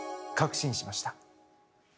確信しました。